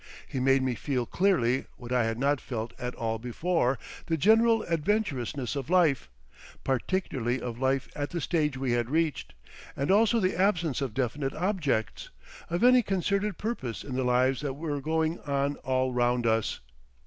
He made me feel clearly, what I had not felt at all before, the general adventurousness of life, particularly of life at the stage we had reached, and also the absence of definite objects, of any concerted purpose in the lives that were going on all round us.